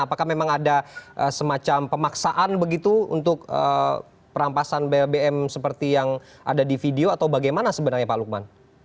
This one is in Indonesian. apakah memang ada semacam pemaksaan begitu untuk perampasan bbm seperti yang ada di video atau bagaimana sebenarnya pak lukman